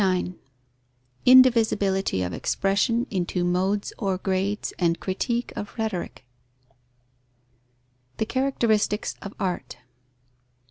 IX INDIVISIBILITY OF EXPRESSION INTO MODES OR GRADES AND CRITIQUE OF RHETORIC _The characteristics of art.